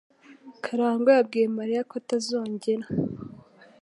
Karangwa yabwiye Mariya ko atazongera.